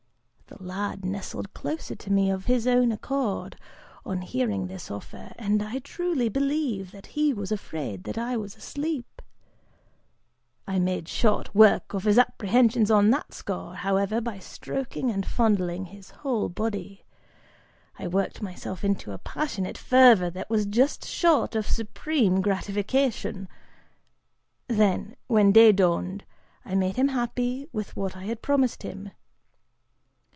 The lad nestled closer to me of his own accord, on hearing this offer, and I truly believe that he was afraid that I was asleep. I made short work of his apprehensions on that score, however, by stroking and fondling his whole body. I worked myself into a passionate fervor that was just short of supreme gratification. Then, when day dawned, I made him happy with what I had promised him.